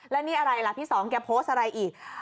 แล้วนี่อะไรล่ะพี่สองแกโพสต์อะไรอีก